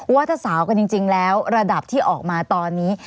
ว่าถ้าสาวกันจริงแล้วระดับที่ออกมาตอนนี้